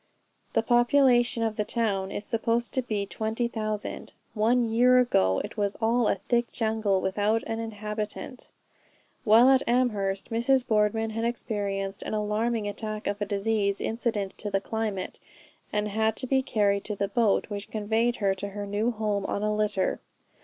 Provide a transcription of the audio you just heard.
... "The population of the town is supposed to be 20,000. One year ago it was all a thick jungle, without an inhabitant!" While at Amherst, Mrs. Boardman had experienced an alarming attack of a disease incident to the climate, and had to be carried to the boat which conveyed her to her new home on a litter.